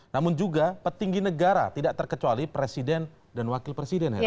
namun juga petinggi negara tidak terkecuali presiden dan wakil presiden herna